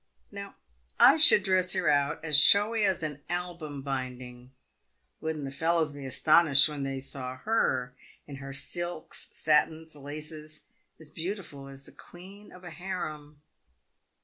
Now, I should dress her out as showy as an album binding. "Wouldn't the fellows be astonished when they saw her in her silks, satins, and laces, as beautiful as the queen of a harem